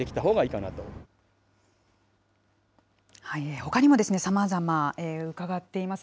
ほかにもさまざま伺っています。